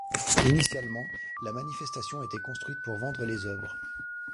Initialement, la manifestation était construite pour vendre les œuvres.